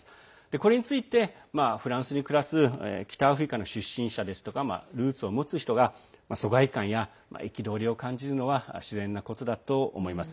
これについて、フランスに暮らす北アフリカの出身者ですとかルーツを持つ人が疎外感や憤りを感じるのは自然なことだと思います。